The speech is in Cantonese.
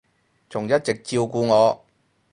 仲一直照顧我